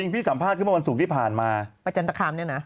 พี่สัมภาษณ์ขึ้นมาตลอดสูงที่ผ่านมาประจันตภคัมเนี่ยนะ